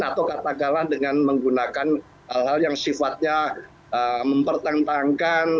atau katakanlah dengan menggunakan hal hal yang sifatnya mempertentangkan